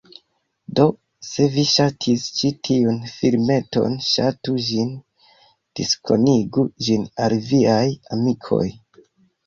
Do, se vi ŝatis ĉi tiun filmeton ŝatu ĝin, diskonigu ĝin al viaj amikoj